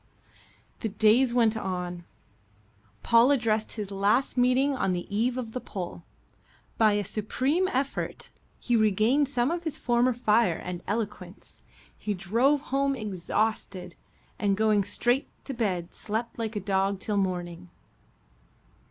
The days went on. Paul addressed his last meeting on the eve of the poll. By a supreme effort he regained some of his former fire and eloquence. He drove home exhausted, and going straight to bed slept like a dog till morning.